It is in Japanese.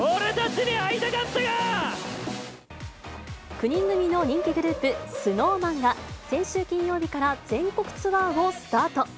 ９人組の人気グループ、ＳｎｏｗＭａｎが先週金曜日から全国ツアーをスタート。